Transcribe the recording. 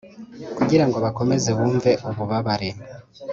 kugira ngo bakomeze bumve ububabare.